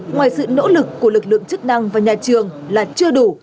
ngoài sự nỗ lực của lực lượng chức năng và nhà trường là chưa đủ